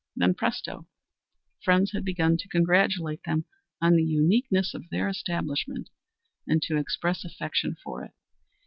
Then, presto! friends had begun to congratulate them on the uniqueness of their establishment, and to express affection for it.